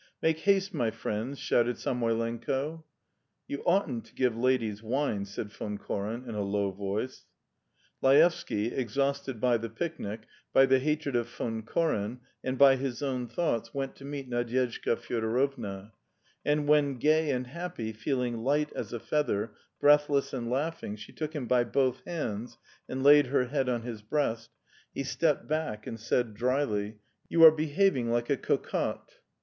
"Make haste, my friends," shouted Samoylenko. "You oughtn't to give ladies wine," said Von Koren in a low voice. Laevsky, exhausted by the picnic, by the hatred of Von Koren, and by his own thoughts, went to meet Nadyezhda Fyodorovna, and when, gay and happy, feeling light as a feather, breathless and laughing, she took him by both hands and laid her head on his breast, he stepped back and said dryly: "You are behaving like a ... cocotte."